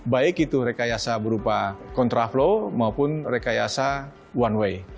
baik itu rekayasa berupa kontraflow maupun rekayasa one way